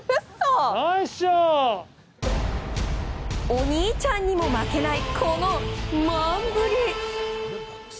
お兄ちゃんにも負けないこのマン振り。